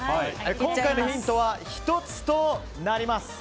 今回のヒントは１つとなります。